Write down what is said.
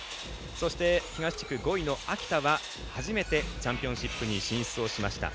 そして、東地区５位の秋田は初めてチャンピオンシップに進出をしました。